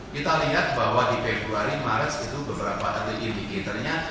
kita lihat bahwa di februari maret itu beberapa hasil indikatornya